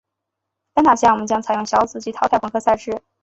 单打项目将采用小组及淘汰混合赛制。